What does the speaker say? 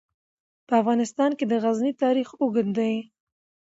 په افغانستان کې د غزني تاریخ اوږد دی.